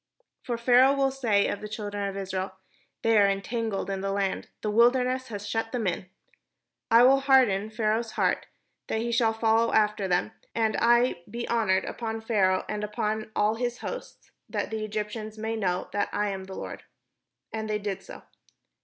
For Pharaoh will say of the children of Israel, 'They are entangled in the land, the wilderness hath shut them in.' And I will harden Pha raoh's heart, that he shall follow after them; and I will 530 THE JOURNEY TO THE PROMISED LAND be honoured upon Pharaoh, and upon all his host; that the Egyptians may know that I am the Lord." And they did so.